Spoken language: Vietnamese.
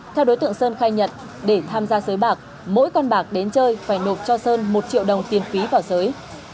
theo đối tượng sơn khai nhận để tham gia sới bạc mỗi con bạc đến chơi phải nộp cho sơn một triệu đồng tiền phí vào giới